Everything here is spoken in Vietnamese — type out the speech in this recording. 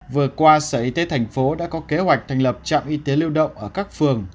vừa qua sở y tế thành phố đã có kế hoạch thành lập trạm y tế lưu động ở các phường